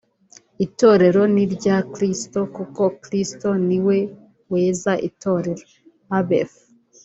Itorero ni irya Kristo kuko Kristo ni we weza Itorero (Abef